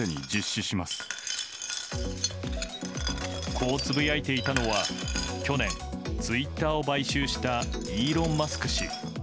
こうつぶやいていたのは去年、ツイッターを買収したイーロン・マスク氏。